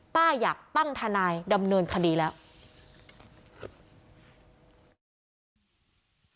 ป้าอยากตั้งทนายดำเนินคดีแล้ว